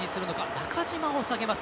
中島を下げます。